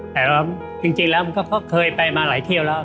แต่สักครู่มันก็เคยไปมาหลายเที่ยวแล้ว